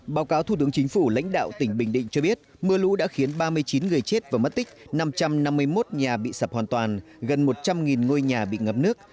báo cáo thủ tướng chính phủ lãnh đạo tỉnh bình định cho biết mưa lũ đã khiến ba mươi chín người chết và mất tích năm trăm năm mươi một nhà bị sập hoàn toàn gần một trăm linh ngôi nhà bị ngập nước